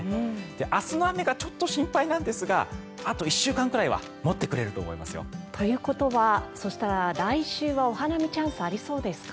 明日の雨がちょっと心配なんですがあと１週間くらいは持ってくれると思いますよ。ということは、そしたら来週はお花見チャンスありそうですか。